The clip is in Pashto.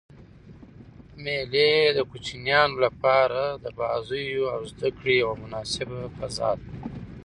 مېلې د کوچنيانو له پاره د بازيو او زدکړي یوه مناسبه فضا ده.